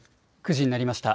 ９時になりました。